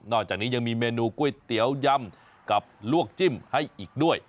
จากนี้ยังมีเมนูก๋วยเตี๋ยวยำกับลวกจิ้มให้อีกด้วย